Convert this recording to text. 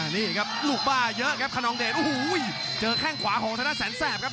นี่ครับลูกบ้าเยอะครับขนองเดชโอ้โหเจอแข้งขวาของธนาแสนแสบครับ